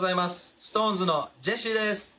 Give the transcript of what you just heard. ＳｉｘＴＯＮＥＳのジェシーです。